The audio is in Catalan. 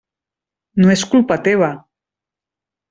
No és culpa teva.